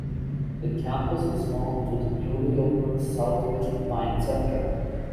The campus is home to the newly opened Southwest Wine Center.